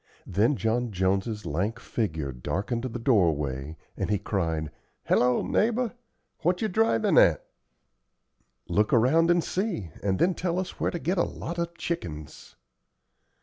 Then John Jones's lank figure darkened the doorway, and he cried, "Hello, neighbor, what ye drivin' at?" "Look around and see, and then tell us where to get a lot of chickens."